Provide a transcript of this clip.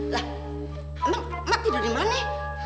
lah mak tidur dimana